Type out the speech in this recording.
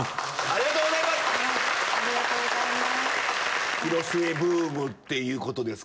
ありがとうございます。